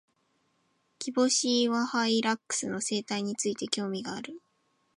キボシイワハイラックスの生態について、興味がある。